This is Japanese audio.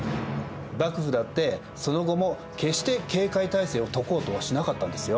幕府だってその後も決して警戒態勢を解こうとはしなかったんですよ。